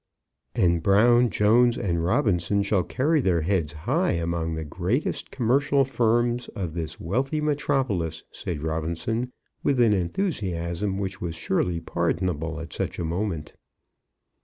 "And Brown, Jones, and Robinson shall carry their heads high among the greatest commercial firms of this wealthy metropolis," said Robinson, with an enthusiasm which was surely pardonable at such a moment.